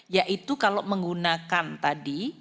yaitu kalau menggunakan tadi